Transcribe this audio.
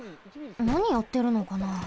なにやってるのかな？